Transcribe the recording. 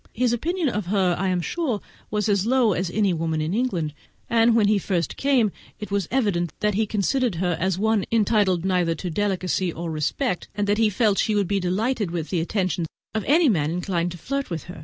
His opinion of her, I am sure, was as low as of any woman in England; and when he first came it was evident that he considered her as one entitled neither to delicacy nor respect, and that he felt she would be delighted with the attentions of any man inclined to flirt with her.